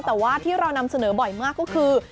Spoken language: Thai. แต่ว่าที่เรานำเสนอบ่อยมากก็คือ